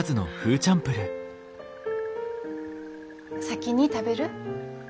先に食べる？